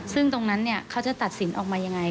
ซึ่งตรงนั้นเขาจะตัดสินออกมายังไง